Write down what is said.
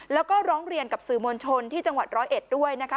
แล้วก็ร้องเรียนกับสื่อมวลชนที่จังหวัดร้อยเอ็ดด้วยนะคะ